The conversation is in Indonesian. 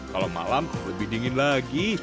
kalau malam lebih dingin lagi